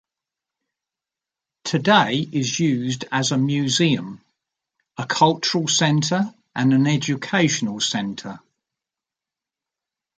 Today, it is used as a museum, a cultural center, and an educational center.